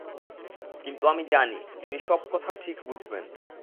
কিন্তু আমি জানি, তিনি সব কথা ঠিক বুঝবেন।